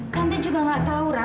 tante juga nggak tahu ra